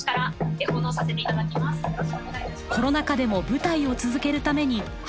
コロナ禍でも舞台を続けるために配信を提案。